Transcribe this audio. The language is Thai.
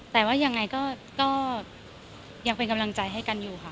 แต่ว่ายังไงก็ยังเป็นกำลังใจให้กันอยู่ค่ะ